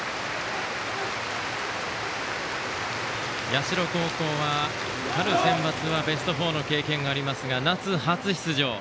社高校は、春センバツはベスト４の経験がありますが夏は初出場。